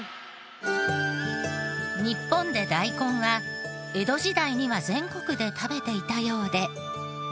日本で大根は江戸時代には全国で食べていたようで。